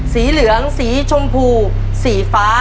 สีเหลืองสีชมพูสีฟ้า